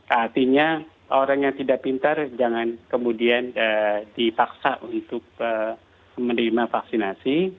artinya orang yang tidak pintar jangan kemudian dipaksa untuk menerima vaksinasi